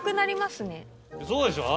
そうでしょ？